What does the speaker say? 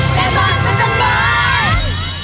แม่ฝันพันธ์จันทร์บ้าน